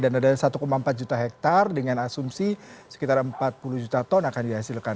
dan ada satu empat juta hektare dengan asumsi sekitar empat puluh juta ton akan dihasilkan